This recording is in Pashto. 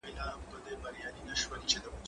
زه اوس سپينکۍ پرېولم؟!